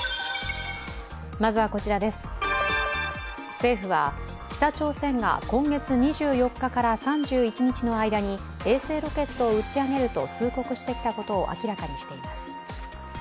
政府は北朝鮮が今月２４日から３１日の間に衛星ロケットを打ち上げると通告してきたことを明らかにしています。